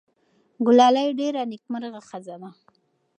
ګلالۍ ډېره نېکمرغه ښځه ده.